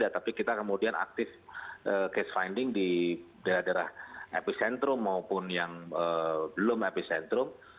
tapi kita kemudian aktif case finding di daerah daerah epicentrum maupun yang belum epicentrum